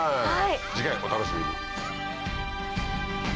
次回お楽しみに。